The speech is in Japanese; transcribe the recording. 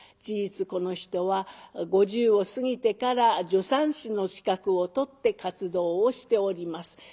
事実この人は５０を過ぎてから助産師の資格を取って活動をしております。